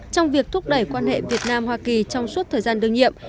trong việc thúc đẩy quan hệ việt nam hoa kỳ trong suốt thời gian đương nhiệm